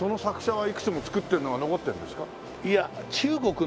はい。